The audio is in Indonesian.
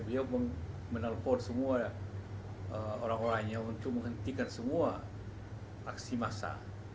beliau menelpon semua orang orangnya untuk menghentikan semua aksi massa